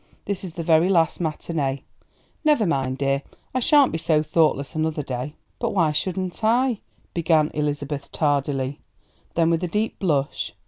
This is the very last matinée. Never mind, dear, I sha'n't be so thoughtless another day." "But why shouldn't I " began Elizabeth tardily; then with a deep blush.